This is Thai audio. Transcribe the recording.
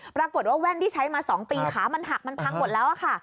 ปรากฏว่าแว่นที่ใช้มา๒ปีขามันหักมันพังหมดแล้วอะค่ะ